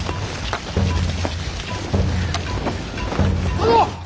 殿！